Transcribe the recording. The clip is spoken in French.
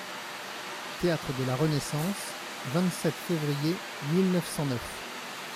Théâtre de la Renaissance, vingt-sept février mille neuf cent neuf.